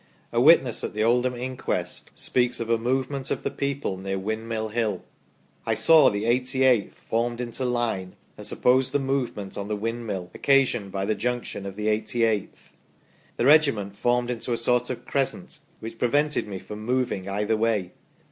A witness at the Oldham inquest speaks of " a movement of the people near Wind mill Hill. I saw the 88th formed into line, and supposed the move ment on the Windmill occasioned by the junction of the 88th. The regiment formed into a sort of crescent, which prevented me from moving either way.